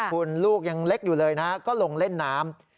คุณลูกยังเล็กอยู่เลยนะก็ลงเล่นน้ำ